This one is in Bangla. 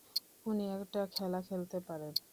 উনি একটা খেলা খেলতে পারেন।